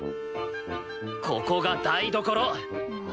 ここが台所！